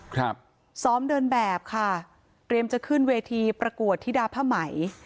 ครับซ้อมเดินแบบค่ะเตรียมจะขึ้นเวทีประกวดธิดาผ้าไหม